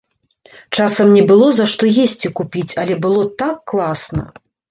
Часам не было, за што есці купіць, але было так класна!